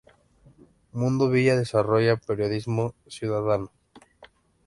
Mundo Villa desarrolla periodismo ciudadano.